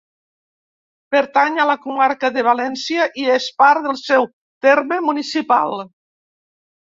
Pertany a la comarca de València i és part del seu terme municipal.